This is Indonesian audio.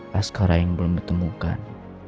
paskara yang belum ditemukan